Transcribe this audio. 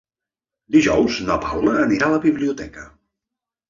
Dijous na Paula anirà a la biblioteca.